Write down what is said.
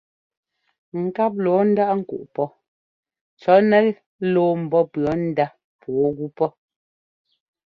Ŋkáp lɔɔ ndáꞌ kúꞌ pɔ́ cɔ̌ nɛ lɔɔ mbɔ́ pʉɔ ndá pɔɔ gú pɔ́.